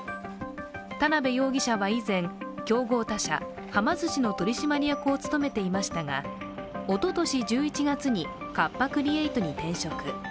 田辺容疑者は以前、競合他社、はま寿司の取締役を務めていましたがおととし１１月にカッパ・クリエイトに転職。